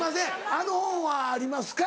あの本はありますか？」